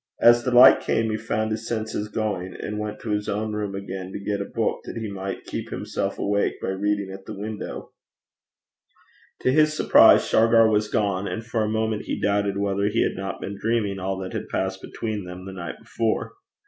As the light came he found his senses going, and went to his own room again to get a book that he might keep himself awake by reading at the window. To his surprise Shargar was gone, and for a moment he doubted whether he had not been dreaming all that had passed between them the night before.